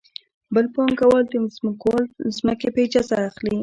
بل پانګوال د ځمکوال ځمکې په اجاره اخلي